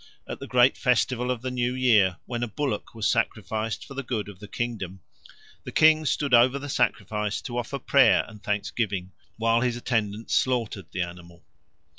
At the great festival of the new year, when a bullock was sacrificed for the good of the kingdom, the king stood over the sacrifice to offer prayer and thanksgiving, while his attendants slaughtered the animal.